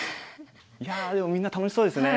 いやでもみんな楽しそうですね。